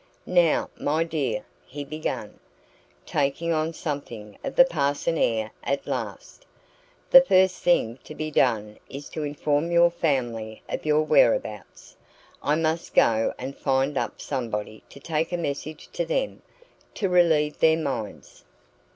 "Now, my dear," he began, taking on something of the parson air at last, "the first thing to be done is to inform your family of your whereabouts. I must go and find up somebody to take a message to them, to relieve their minds."